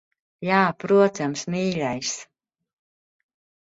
Jā, protams, mīļais.